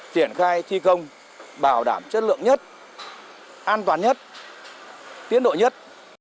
triển khai thi công bảo đảm chất lượng nhất an toàn nhất tiến độ nhất